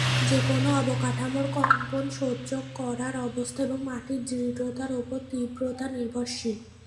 যেকোনো অবকাঠামোর কম্পন সহ্য করার অবস্থা এবং মাটির দৃঢ়তার ওপর তীব্রতা নির্ভরশীল।